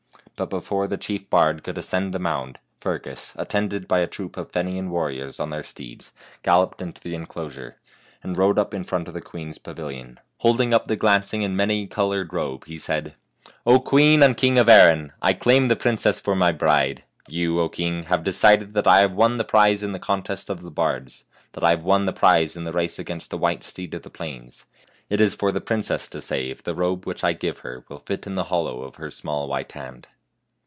But before the chief bard could ascend the mound, Fergus, attended by a troop of Fenian warriors on their steeds, galloped into the inclosure, and rode up in front of the queen's pavilion. Holding up the glancing and many colored robe, he said :" O Queen and King of Erin ! I claim the princess for my bride. You, O king, have de cided that I have won the prize in the contest of the bards; that I have won the prize in the race against the white steed of the plains; it is for the princess to say if the robe which I give her will fit in the hollow of her small white hand."